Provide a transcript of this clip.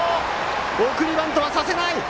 送りバントはさせない！